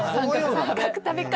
三角食べか。